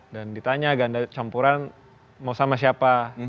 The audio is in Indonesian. dan ditanya ganda campuran mau sama siapa